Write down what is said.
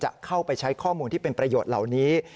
จะเข้าไปใช้ข้อมูลที่เป็นประโยชน์เหล่านี้